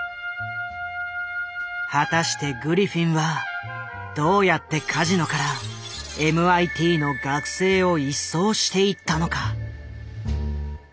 果たしてグリフィンはどうやってカジノからＭＩＴの学生を一掃していったのか？